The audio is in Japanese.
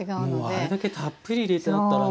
あれだけたっぷり入れてあったらね。